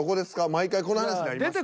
毎回この話なりますけど。